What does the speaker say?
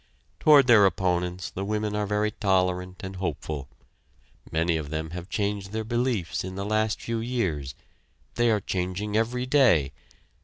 Toward their opponents the women are very tolerant and hopeful. Many of them have changed their beliefs in the last few years. They are changing every day.